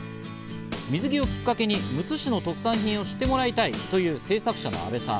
水着をきっかけに、むつ市の特産品を知ってもらいたいという製作者の阿部さん。